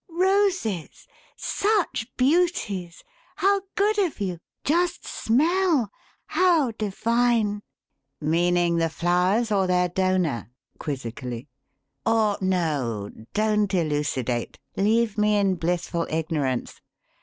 "Roses! Such beauties! How good of you! Just smell! How divine!" "Meaning the flowers or their donor?" quizzically. "Or, no! Don't elucidate. Leave me in blissful ignorance.